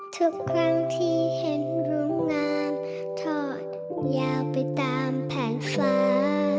ทุกครั้งที่เห็นโรงงานทอดยาวไปตามแผงฟ้า